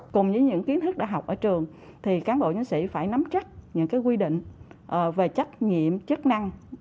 cùng với những kiến thức đã học ở trường thì cán bộ nhân sĩ phải nắm chắc những quy định về trách nhiệm chức năng